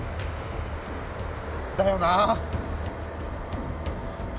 だよな。